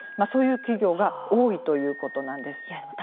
そういう企業が多いということなんです。